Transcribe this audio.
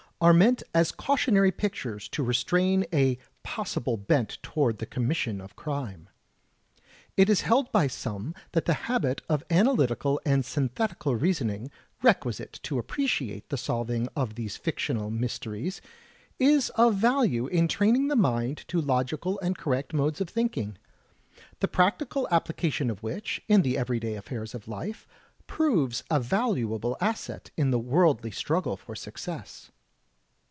are meant as cautionary pictures to restrain a possible bent toward the commission of crime. It is held by some that the habit of analytical and synthetical reasoning, requisite to appreciate the solving of these fictional mys teries, is of value in training the mind to logical and correct modes of thinking; the practical application of which, in the everyday affairs of life, proves a valuable asset in the worldly struggle for success.